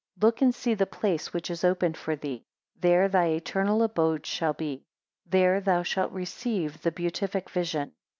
Look and see the place which is opened for thee; there thy eternal abode shall be; there thou shalt receive the (beatific) vision.